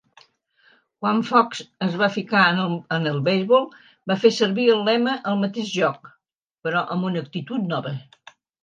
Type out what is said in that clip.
Quan Fox es va ficar en el beisbol, va fer servir el lema "El mateix joc, però amb una actitud nova".